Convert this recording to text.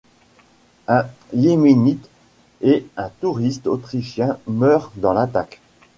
Un Yéménite et un touriste autrichien meurent dans l'attaque.